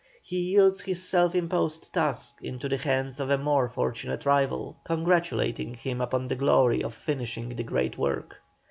He yields his self imposed task into the hands of a more fortunate rival, congratulating him upon the glory of finishing the great work.